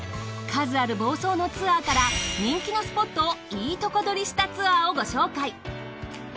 数ある房総のツアーから人気のスポットをいいとこ取りしたツアーをご紹介。